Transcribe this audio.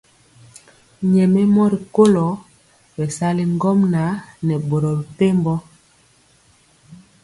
Nyɛmemɔ rikolo bɛsali ŋgomnaŋ nɛ boro mepempɔ.